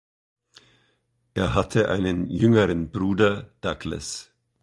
Er hatte einen jüngeren Bruder, Douglas.